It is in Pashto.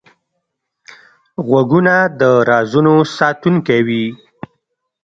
غوږونه د رازونو ساتونکی وي